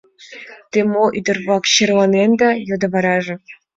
— Те мо, ӱдыр-влак, черланенда? — йодо вараже.